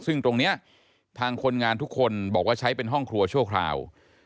ซึ่งตรงนี้ทางคนงานทุกคนบอกว่าใช้เป็นห้องครัวชั่วคราว